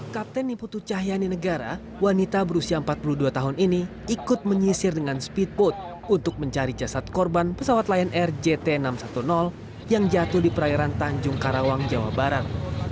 kapten niputu cahyani negara wanita berusia empat puluh dua tahun ini ikut menyisir dengan speedboat untuk mencari jasad korban pesawat lion air jt enam ratus sepuluh yang jatuh di perairan tanjung karawang jawa barat